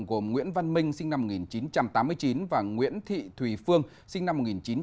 gồm nguyễn văn minh sinh năm một nghìn chín trăm tám mươi chín và nguyễn thị thùy phương sinh năm một nghìn chín trăm tám mươi